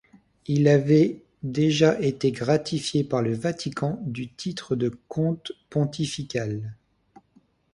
Il avait déjà été gratifié par le Vatican du titre de comte pontfical.